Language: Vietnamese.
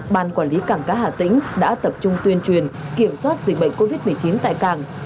ban quản lý cảng cá hà tĩnh đã tập trung tuyên truyền kiểm soát dịch bệnh covid một mươi chín tại cảng